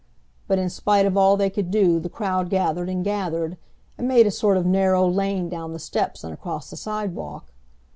But in spite of all they could do the crowd gathered and gathered, and made a sort of narrow lane down the steps and across the sidewalk.